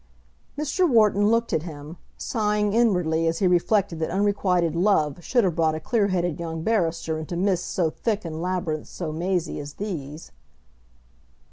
Mr. Wharton looked at him, sighing inwardly as he reflected that unrequited love should have brought a clear headed young barrister into mists so thick and labyrinths so mazy as these.